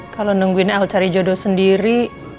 kalau nungguin al cari jodoh sendiri